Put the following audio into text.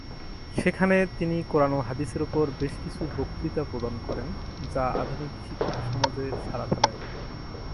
সেখানে তিনি কোরআন ও হাদিসের ওপর বেশকিছু বক্তৃতা প্রদান করেন, যা আধুনিক শিক্ষিত সমাজে সাড়া ফেলে।